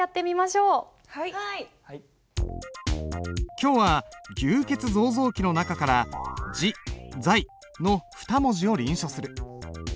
今日は「牛造像記」の中から「自在」の２文字を臨書する。